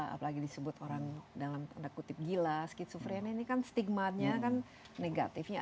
apalagi disebut orang dalam tanda kutip gila skizofrenia ini kan stigmatnya kan negatifnya